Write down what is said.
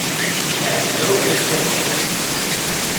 It has no physical campus.